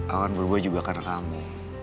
awan berubah juga karena kamu